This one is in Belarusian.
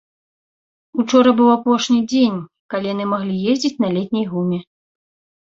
Учора быў апошні дзень, калі яны маглі ездзіць на летняй гуме.